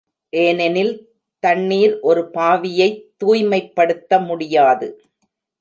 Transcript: ஏனெனில் தண்ணிர் ஒரு பாவியைத் தூய்மைப்படுத்த முடியாது.